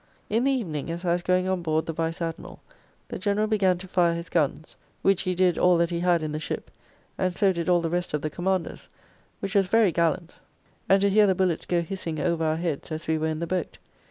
In the evening as I was going on board the Vice Admiral, the General began to fire his guns, which he did all that he had in the ship, and so did all the rest of the Commanders, which was very gallant, and to hear the bullets go hissing over our heads as we were in the boat.